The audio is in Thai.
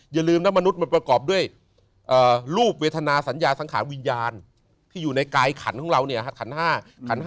อย่าลืมนะมนุษย์มันประกอบด้วยรูปเวทนาสัญญาสังขาวิญญาณที่อยู่ในกายขันของเราเนี่ยฮะ